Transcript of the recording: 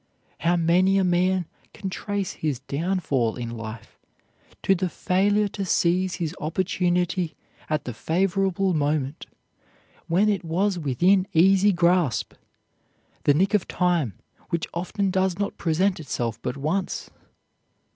How many a man can trace his downfall in life to the failure to seize his opportunity at the favorable moment, when it was within easy grasp, the nick of time, which often does not present itself but once!